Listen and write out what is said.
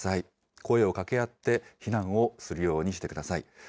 声をかけ合って、避難をするようにしてください。